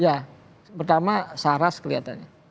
ya pertama saras kelihatannya